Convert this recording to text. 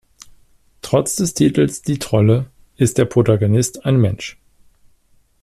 Trotz des Titels "Die Trolle" ist der Protagonist ein Mensch.